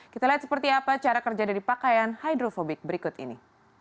kita lihat seperti apa cara kerja dari pakaian hidrofobik berikut ini